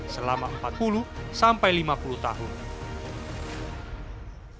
selama empat puluh sampai lima puluh tahun